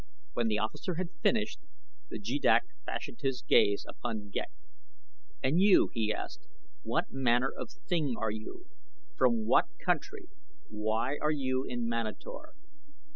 When the officer had finished the jeddak fastened his gaze upon Ghek. "And you," he asked, "what manner of thing are you? From what country? Why are you in Manator?"